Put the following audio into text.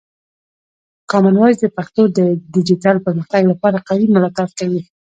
کامن وایس د پښتو د ډیجیټل پرمختګ لپاره قوي ملاتړ کوي.